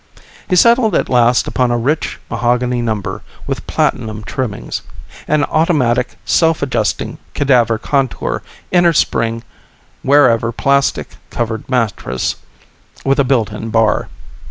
He settled at last upon a rich mahogany number with platinum trimmings, an Automatic Self Adjusting Cadaver contour Innerspring Wearever Plastic Covered Mattress with a built in bar.